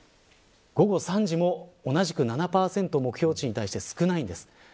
午後３時も同じく７％目標値に対して少ないです。